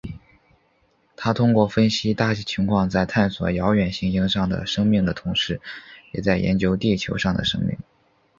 他通过分析大气情况在探寻遥远行星上的生命的同时也在研究地球上的生命。